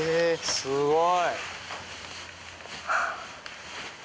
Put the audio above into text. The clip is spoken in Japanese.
すごい。